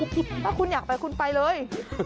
ถ้าคุณอยากไปคุณไปเลย